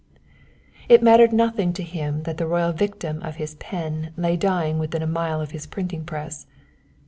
It mattered nothing to him that the Royal victim of his pen lay dying within a mile of his printing press.